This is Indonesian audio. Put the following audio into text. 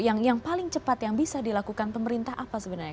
yang paling cepat yang bisa dilakukan pemerintah apa sebenarnya